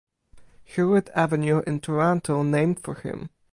Heward Avenue in Toronto named for him.